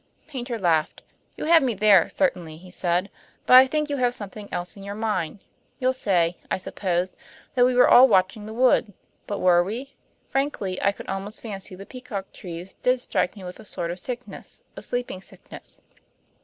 Paynter laughed. "You have me there certainly," he said. "But I think you have something else in your mind. You'll say, I suppose, that we were all watching the wood; but were we? Frankly, I could almost fancy the peacock trees did strike me with a sort of sickness a sleeping sickness."